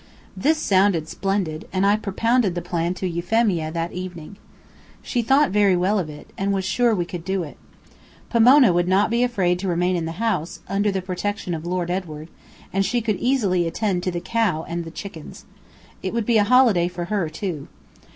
This sounded splendid, and I propounded the plan to Euphemia that evening. She thought very well of it, and was sure we could do it. Pomona would not be afraid to remain in the house, under the protection of Lord Edward, and she could easily attend to the cow and the chickens. It would be a holiday for her too.